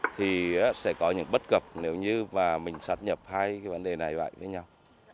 thì sẽ có những bất cập nếu như mình sát nhập hai vấn đề này với nhau